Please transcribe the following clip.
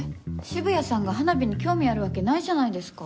渋谷さんが花火に興味あるわけないじゃないですか。